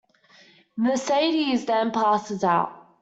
Mercedes then passes out.